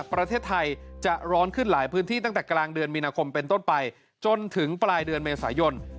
ประเทศไทยจะร้อนขึ้นหลายพื้นที่ตั้งแต่กลางเดือนมีนาคมเป็นต้นไปจนถึงปลายเดือนเมษายน